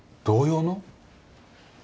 同様の？